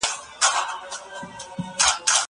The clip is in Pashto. زه له سهاره واښه راوړم!!